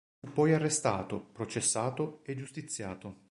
Fu poi arrestato, processato e giustiziato.